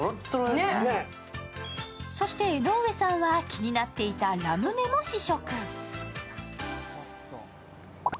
そして江上さんは気になっていたラムネも試食。